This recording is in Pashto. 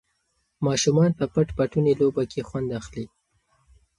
ماشومان په پټ پټوني لوبه کې خوند اخلي.